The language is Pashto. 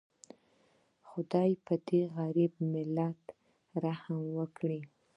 خدایه پدې غریب ملت رحم وکړي